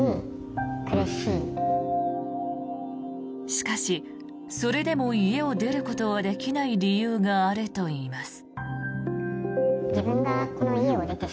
しかし、それでも家を出ることはできない理由があるといいます。